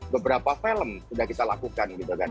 beberapa film sudah kita lakukan gitu kan